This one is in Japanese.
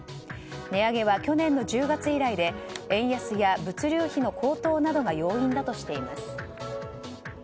値上げは去年の１０月以来で円安や物流費の高騰などが要因だとしています。